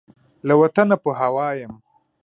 له وطنه په هوا یم